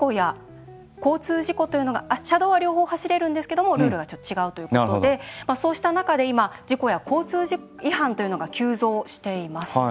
車道は両方走れるんですけどもルールがちょっと違うということでそうした中で今事故や交通違反というのが急増しています。